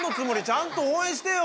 ちゃんと応援してよ。